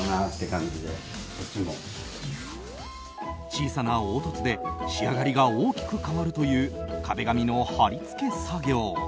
小さな凹凸で仕上がりが大きく変わるという壁紙の貼り付け作業。